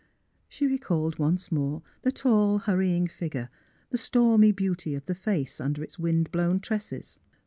She recalled once more the tall, hurrying figure; the stormy beauty of the face under its wind blown tresses.